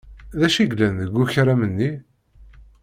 D acu yellan deg ukaram-nni?